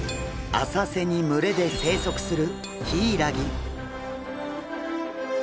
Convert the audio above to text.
浅瀬に群れで生息するヒイラギ。